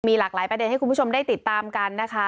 หลากหลายประเด็นให้คุณผู้ชมได้ติดตามกันนะคะ